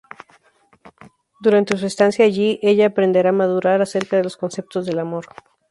Durante su estancia allí ella aprenderá a madurar acerca de los conceptos del amor.